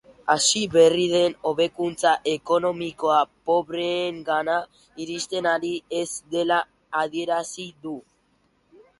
Hasi berri den hobekuntza ekonomikoa pobreengana iristen ari ez dela adierazi du.